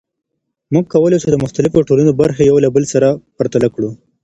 موږ کولای سو د مختلفو ټولنو برخې یو له بل سره پرتله کړو.